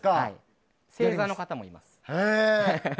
正座の方もいます。